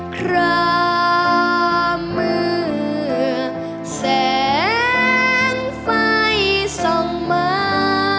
กระมือแสงไฟส่องมา